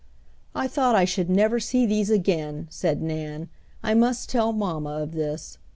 "I thought I should never see these again," said Nan. "I must tell mamma of this!"